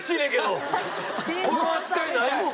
この扱いないもん。